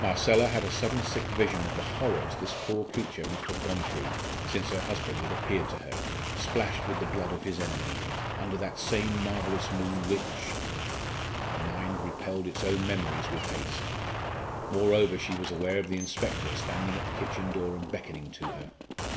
Marcella had a sudden sick vision of the horrors this poor creature must have gone through since her husband had appeared to her, splashed with the blood of his enemy, under that same marvellous moon which Her mind repelled its own memories with haste. Moreover, she was aware of the inspector standing at the kitchen door and beckoning to her.